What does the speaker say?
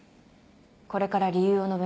これから理由を述べます。